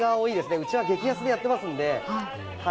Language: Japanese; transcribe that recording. うちは激安でやってますんで。